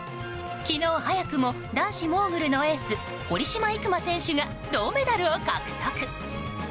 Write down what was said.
昨日、早くも男子モーグルのエース堀島行真選手が銅メダルを獲得。